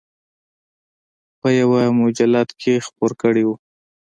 په یوه مجلد کې خپور کړی و.